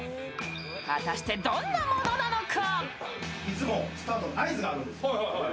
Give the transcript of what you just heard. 果たしてどんなものなのか？